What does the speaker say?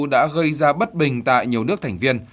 đã gây ra bất bình tại nhiều nước thành viên